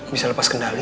bisa lepas kendali